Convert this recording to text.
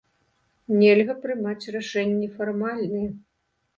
Нельга прымаць рашэнні фармальныя.